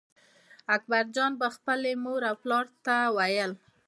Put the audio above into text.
اکبرجان به خپل مور او پلار ته ویل.